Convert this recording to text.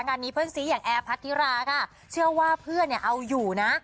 งานนี้เพื่อนซีอย่างแอร์พัทธิราค่ะเชื่อว่าเพื่อนเนี่ยเอาอยู่นะ